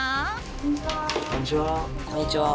こんにちは。